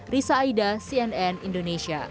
risa aida cnn indonesia